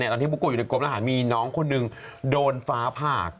ตอนที่บุ๊กโก้อยู่ในกรมทหารมีน้องคนหนึ่งโดนฟ้าผ่า